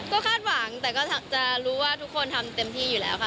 ก็คาดหวังแต่ก็จะรู้ว่าทุกคนทำเต็มที่อยู่แล้วค่ะ